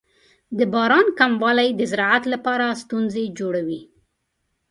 د باران کموالی د زراعت لپاره ستونزې جوړوي.